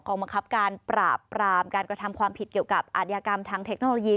บังคับการปราบปรามการกระทำความผิดเกี่ยวกับอาทยากรรมทางเทคโนโลยี